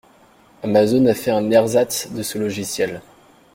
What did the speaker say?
Amazon a fait un ersatz de ce logiciel.